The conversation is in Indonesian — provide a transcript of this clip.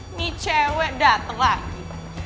ini cewek dateng lagi